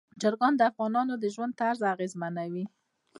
چرګان د افغانانو د ژوند طرز اغېزمنوي.